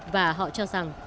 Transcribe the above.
và họ cho rằng